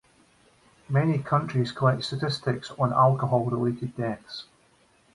Many countries collect statistics on alcohol-related deaths.